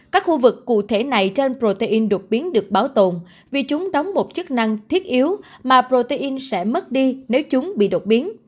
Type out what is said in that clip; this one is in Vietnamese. các khu vực cụ thể này trên protein đột biến được bảo tồn vì chúng đóng một chức năng thiết yếu mà protein sẽ mất đi nếu chúng bị đột biến